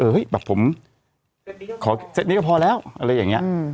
เฮ้ยแบบผมขอเซ็ตนี้ก็พอแล้วอะไรอย่างนี้